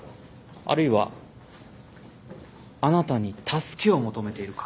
あるいはあなたに助けを求めているか。